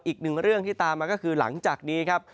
อีกหนึ่งเรื่องที่ตามมาก็คือหลังจากนี้ครับ